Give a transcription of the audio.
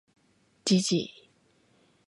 gg